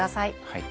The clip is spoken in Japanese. はい。